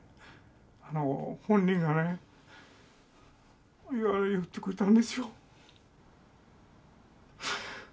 あの本人がね言ってくれたんですよ。